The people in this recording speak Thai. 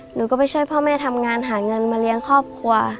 หนูก็ไปช่วยพ่อแม่ทำงานหาเงินมาเลี้ยงครอบครัว